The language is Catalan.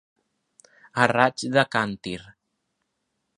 A raig de càntir.